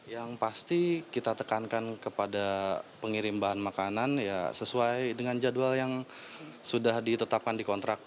yang pasti kita tekankan kepada pengirim bahan makanan ya sesuai dengan jadwal yang sudah ditetapkan di kontrak